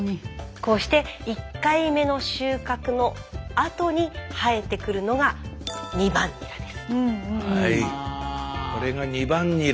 こうして１回目の収穫のあとに生えてくるのがこれが２番ニラ。